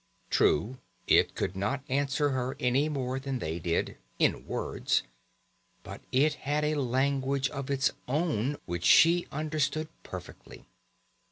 True, it could not answer her any more than they did in words, but it had a language of its own which she understood perfectly.